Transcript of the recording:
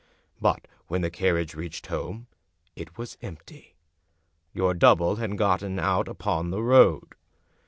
But when the carriage reached home it was empty. Your double had got out upon the road."